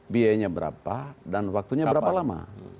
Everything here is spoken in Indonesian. biayanya berapa dan waktunya berapa lama